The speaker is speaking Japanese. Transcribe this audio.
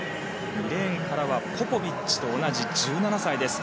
２レーンからはポポビッチと同じ１７歳です。